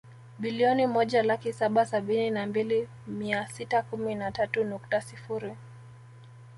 Bilioni moja laki saba sabini na mbili mia sita kumi na tatu nukta sifuri